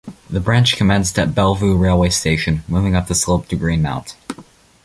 The Branch commenced at Bellevue Railway Station, moving up the slope to Greenmount.